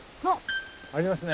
ありますね。